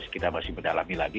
kita masih mendalami lagi